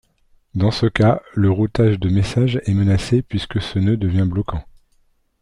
Dans ce cas, le routage de message est menacé puisque ce nœud devient bloquant.